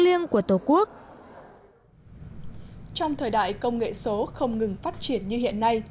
trong thời đại công nghệ số không ngừng phát triển như hiện nay